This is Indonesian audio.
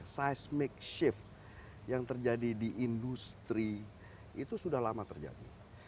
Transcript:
seismic shift yang terjadi di industri itu sudah lama terjadi